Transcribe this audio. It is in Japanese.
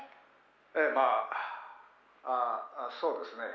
「ええまあそうですね」